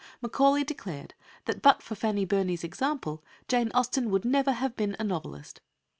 Macaulay declared that but for Fanny Burney's example Jane Austen would never have been a novelist.